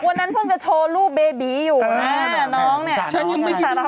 วันนั้นเพิ่งจะโชว์ลูกเบบีอยู่น้องนี่ฉันยังไม่รู้ว่าพูดกับตัวเองว่า